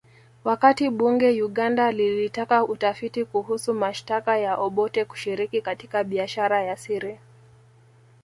Wakati bunge Uganda lilitaka utafiti kuhusu mashtaka ya Obote kushiriki katika biashara ya siri